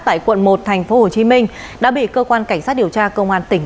tại quận một tp hcm đã bị cơ quan cảnh sát điều tra công an tỉnh